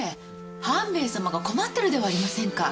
半兵衛様が困ってるではありませんか。